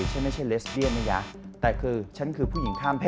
ฉันไม่ใช่เลสเบียนน้อย